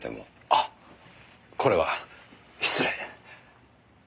あっこれは失礼。